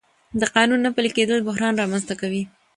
د قانون نه پلي کېدل بحران رامنځته کوي